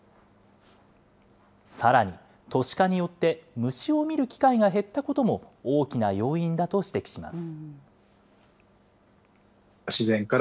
さらに、都市化によって虫を見る機会が減ったことも大きな要因だと指摘します。